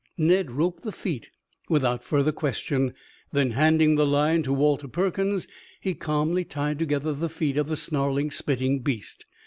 Ned roped the feet without further question, then handing the line to Walter Perkins, he calmly tied together the feet of the snarling, spitting beast.